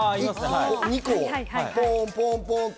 ２個をポンポンと。